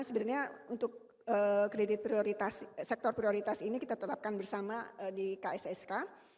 sebenarnya untuk kredit prioritas sektor prioritas ini kita tetapkan bersama di kssk